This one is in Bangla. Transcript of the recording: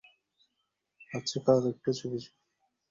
আচ্ছা কাল একটু চুপি চুপি ডেকে দেখবো দেখি, তাও শুনতে পাবে?